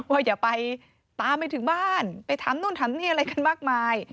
อย่าไปตามไปถึงบ้านไปถามนู่นถามนี่อะไรกันมากมาย